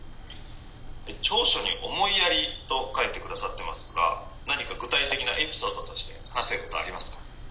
「長所に思いやりと書いて下さってますが何か具体的なエピソードとして話せることありますか？」。